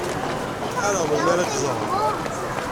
Ḥareɣ melmi ara k-ẓreɣ.